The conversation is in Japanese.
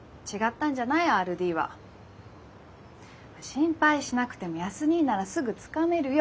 心配しなくても康にぃならすぐつかめるよ